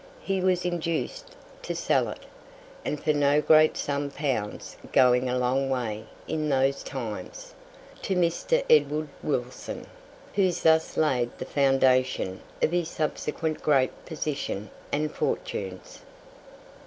He was induced to sell it, and for no great sum pounds going a long way in those times to Mr. Edward Wilson, who thus laid the foundation of his subsequent great position and fortunes.